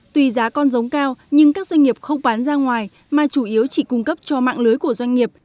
tùy giá con giống cao nhưng các doanh nghiệp không bán ra ngoài mà chủ yếu chỉ cung cấp cho mạng lưới của doanh nghiệp